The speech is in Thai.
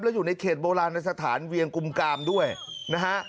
แล้วอยู่ในเขตโบราณสถานเวียงกุมกามด้วยนะฮะ